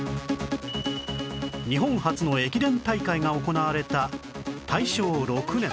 日本初の駅伝大会が行われた